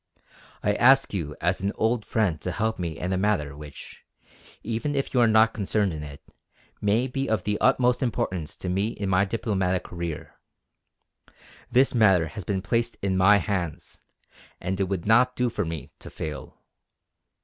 I ask you as an old friend to help me in a matter which, even if you are not concerned in it, may be of the utmost importance to me in my diplomatic career. This matter has been placed in my hands, and it would not do for me to fail.